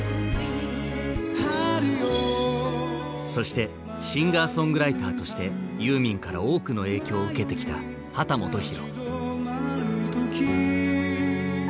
そしてシンガーソングライターとしてユーミンから多くの影響を受けてきた秦基博。